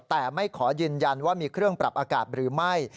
แต่ไม่ขอยืนยันว่ามีเครื่องปรับอากาศหรือไม่